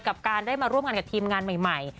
กับการได้มาร่วมงานกับทีมงานใหม่